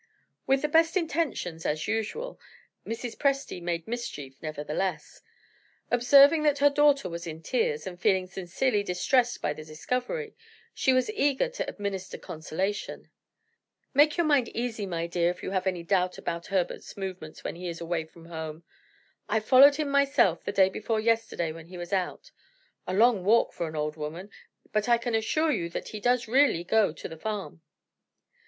With the best intentions (as usual) Mrs. Presty made mischief, nevertheless. Observing that her daughter was in tears, and feeling sincerely distressed by the discovery, she was eager to administer consolation. "Make your mind easy, my dear, if you have any doubt about Herbert's movements when he is away from home. I followed him myself the day before yesterday when he went out. A long walk for an old woman but I can assure you that he does really go to the farm."